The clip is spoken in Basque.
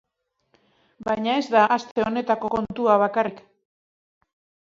Baina ez da aste honetako kontua bakarrik.